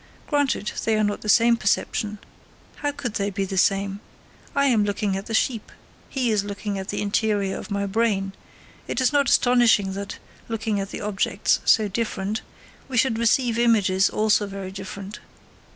Granted, they are not the same perception. How could they be the same? I am looking at the sheep, he is looking at the interior of my brain; it is not astonishing that, looking at objects so different, we should receive images also very different.